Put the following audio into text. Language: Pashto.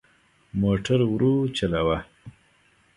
موټر ورو چلوه.